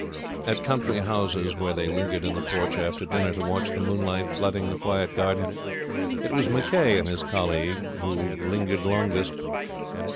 At country houses, where they lingered in the porch after dinner to watch the moonlight flooding the quiet garden, it was McCay and his colleague who lingered longest.